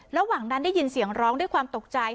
ระหว่างนั้นได้ยินเสียงร้องด้วยความตกใจ